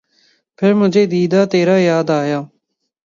پھر مجھے دیدہٴ تر یاد آیا